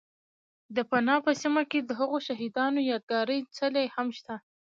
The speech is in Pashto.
، د پنه په سیمه کې دهغو شهید انو یاد گاري څلی هم شته